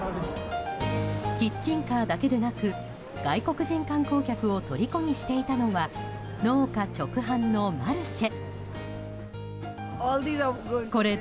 キッチンカーだけでなく外国人観光客をとりこにしていたのは農家直販のマルシェ。